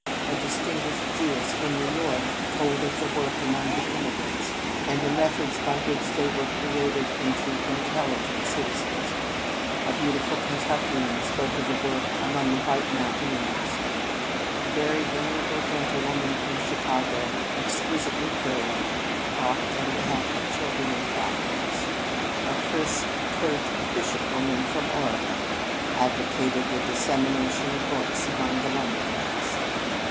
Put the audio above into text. A distinguished Jewess from New York told of the work among the immigrants and the methods by which they were created into intelligent citizens; a beautiful Kentuckian spoke of the work among the white mountaineers; a very venerable gentlewoman from Chicago, exquisitely frail, talked on behalf of the children in factories; a crisp, curt, efficient woman from Oregon advocated the dissemination of books among the "lumber jacks."